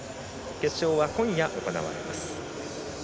決勝は今夜行われます。